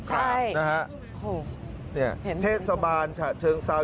ใช่โอ้โหเห็นครับเทศสบานชะเชิงเซา